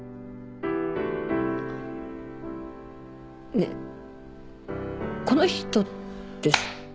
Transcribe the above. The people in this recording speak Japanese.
ねえこの人って。